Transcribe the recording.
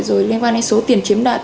rồi liên quan đến số tiền chiếm đạt